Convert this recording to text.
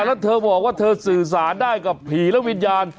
แล้วเธอบอกว่าสื่อสารกับผีและวิญาณ